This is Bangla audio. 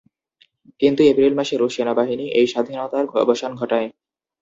কিন্তু এপ্রিল মাসে রুশ সেনাবাহিনী এই স্বাধীনতার অবসান ঘটায়।